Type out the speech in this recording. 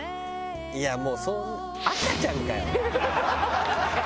いやあもう赤ちゃんかよ！